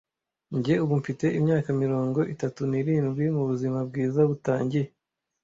Njye, ubu mfite imyaka mirongo itatu n'irindwi mubuzima bwiza butangiye,